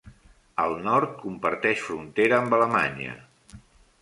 Al nord, comparteix frontera amb Alemanya.